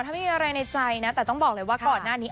ถ้าไม่มีอะไรในใจนะแต่ต้องบอกเลยว่าก่อนหน้านี้